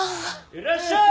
いらっしゃい！